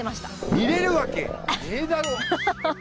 見えるわけねえだろ。